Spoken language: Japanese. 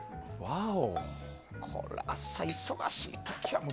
これは朝、忙しい時は。